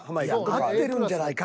合ってるんじゃないか？